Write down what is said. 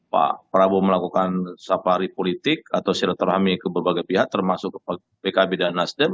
pak prabowo melakukan safari politik atau silaturahmi ke berbagai pihak termasuk pkb dan nasdem